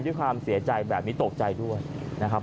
ด้วยความเสียใจแบบนี้ตกใจด้วยนะครับ